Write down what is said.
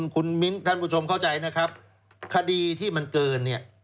คุณมิ้นท่านผู้ชมเข้าใจนะครับคดีที่มันเกินเนี่ย